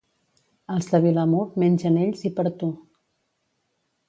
Els de Vilamur mengen per ells i per tu.